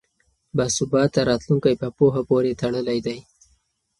باثباته راتلونکی په پوهه پورې تړلی دی.